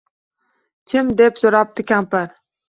— Kim? — deb soʻrabdi kampir